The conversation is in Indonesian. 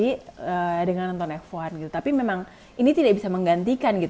karena saya nonton f satu tapi memang ini tidak bisa menggantikan